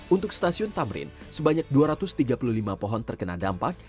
untuk stasiun tamrin sebanyak dua ratus tiga puluh lima pohon terkena dampak